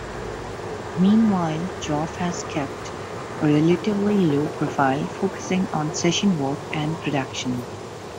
Meanwhile Joff has kept a relatively low profile, focussing on session work and production.